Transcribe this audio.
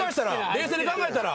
冷静に考えたら。